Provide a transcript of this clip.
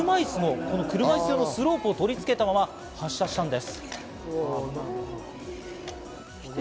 新幹線が車いすのスロープを取り付けたまま発車したんです。